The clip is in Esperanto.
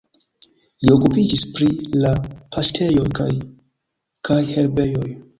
Li okupiĝis pri la paŝtejoj kaj kaj herbejoj.